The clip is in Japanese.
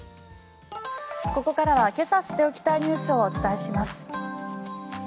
ここからはけさ知っておきたいニュースをお伝えします。